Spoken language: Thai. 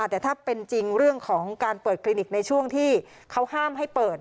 แต่ถ้าเป็นจริงเรื่องของการเปิดคลินิกในช่วงที่เขาห้ามให้เปิด